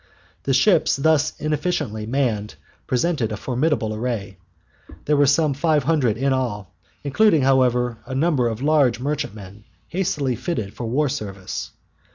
The ships thus inefficiently manned presented a formidable array. There were some five hundred in all, including, however, a number of large merchantmen hastily fitted for war service.